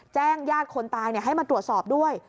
แจ้งญาติคนตายเนี่ยให้มาตรวจสอบด้วย